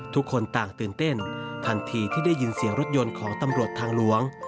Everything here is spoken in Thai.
ทุกคนต่างตื่นเต้นทันทีที่ได้ยินเสียงรถยนต์ของตำรวจทางหลวง